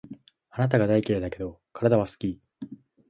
あなたが大嫌いだけど、体は好き